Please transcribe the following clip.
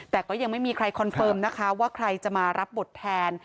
แต่ก็ยังไม่มีใครคอนเฟิร์มนะคะว่าใครจะมารับบทแทน